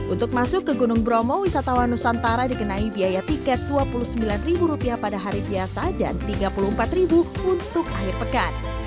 untuk masuk ke gunung bromo wisatawan nusantara dikenai biaya tiket dua puluh sembilan ribu rupiah pada hari biasa dan tiga puluh empat ribu untuk air pekan